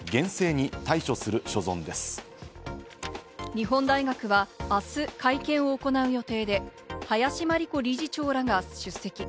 日本大学はあす会見を行う予定で、林真理子理事長らが出席。